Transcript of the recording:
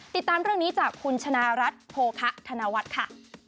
ติดตามเรื่องนี้จากคุณชนะรัฐโภคะธนวัฒน์ค่ะ